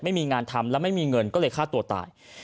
ไม่มีงานทำแล้วไม่มีเงินก็เลยฆ่าตัวตาย